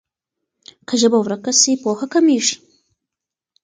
که ژبه ورکه سي پوهه کمېږي.